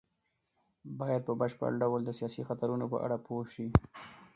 بايد په بشپړ ډول د سياسي خطرونو په اړه پوه شي.